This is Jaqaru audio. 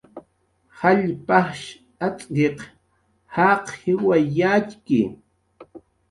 Jall pajsh atz'kiq jaq jiway yatxki